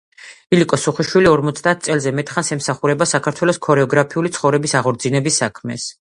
ილიკო სუხიშვილი ორმოცდაათ წელზე მეტ ხანს ემსახურა საქართველოს ქორეოგრაფიული ცხოვრების აღორძინების საქმეს.